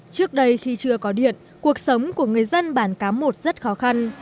trước đây khi chưa có điện cuộc sống của người dân bản cám một rất khó khăn